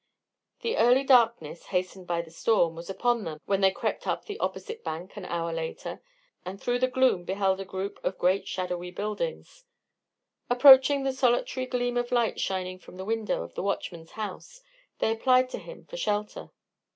The early darkness, hastened by the storm, was upon them when they crept up the opposite bank an hour later, and through the gloom beheld a group of great shadowy buildings. Approaching the solitary gleam of light shining from the window of the watchman's house, they applied to him for shelter.